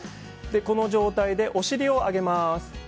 この状態でお尻を上げます。